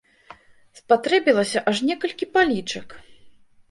Спатрэбілася аж некалькі палічак!